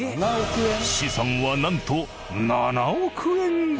資産はなんと７億円超え。